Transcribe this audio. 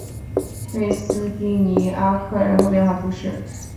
瑞斯蒂尼阿克人口变化图示